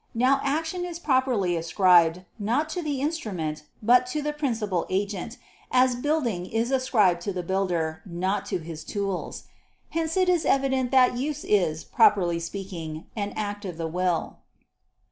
Now action is properly ascribed, not to the instrument, but to the principal agent, as building is ascribed to the builder, not to his tools. Hence it is evident that use is, properly speaking, an act of the will.